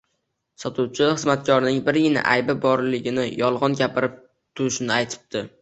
Sotuvchi xizmatkorning birgina aybi borliginiyolgʻon gapirib turishini aytibdi